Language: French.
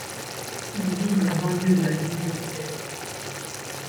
Il vit dans la banlieue de la ville de Québec.